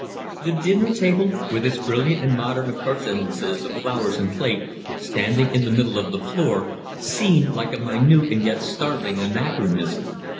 The dinner table, with its brilliant and modern appurtenances of flowers and plate, standing in the middle of the floor, seemed like a minute and yet startling anachronism.